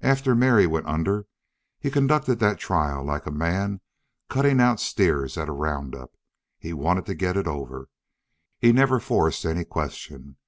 After Mary went under he conducted that trial like a man cuttin' out steers at a round up. He wanted to get it over. He never forced any question....